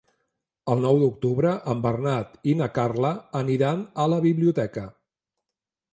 El nou d'octubre en Bernat i na Carla aniran a la biblioteca.